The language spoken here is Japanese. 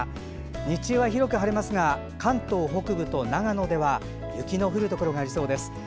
日中は広く晴れますが関東北部と長野では雪の降るところがありそうです。